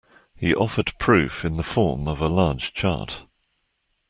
He offered proof in the form of a large chart.